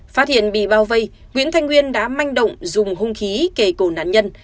phát hiện bị bao vây nguyễn thanh nguyên đã manh động dùng hung khí kể cổ nạn nhân